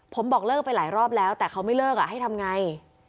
ผมบอกเลิกไปหลายรอบแล้วแต่เขาไม่เลิกให้ทำไง